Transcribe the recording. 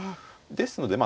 ですのでまあ